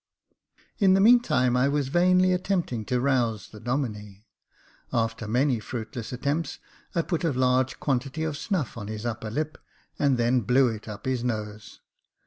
In the meantime I was vainly attempting to rouse the Domine. After many fruitless attempts, I put a large quantity of snufF on his upper lip, and then blew it up his nose.